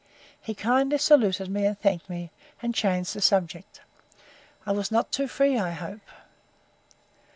He kindly saluted me, and thanked me, and changed the subject.—I was not too free, I hope.